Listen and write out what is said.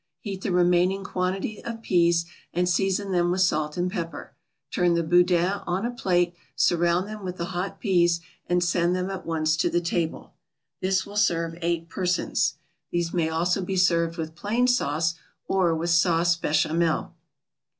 Heat the remaining quantity of peas, and season them with salt and pepper. Turn the boudins on a platter, surround them with the hot peas, and send them at once to the table. This will serve eight persons. These may also be served with plain sauce, or with Sauce Bechamel.